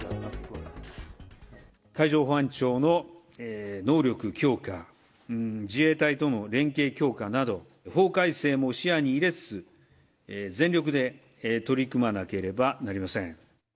海上保安庁の能力強化、自衛隊との連携強化など、法改正も視野に入れつつ、全力で取り組まなければなりません。